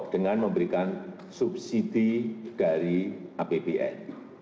dengan memberikan subsidi dari apbn